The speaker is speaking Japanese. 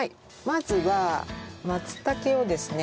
まずは松茸をですね